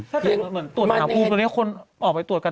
ถ้าเกิดเหมือนตรวจหาปรูปตรวจเรียกว่าคนออกไปตรวจกัน